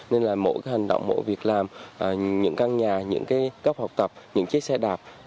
nên là mỗi hành động mỗi việc làm những căn nhà những cái góc học tập những chiếc xe đạp